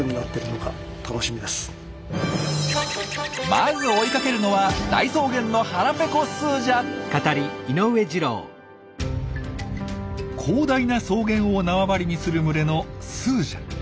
まず追いかけるのは広大な草原を縄張りにする群れのスージャ。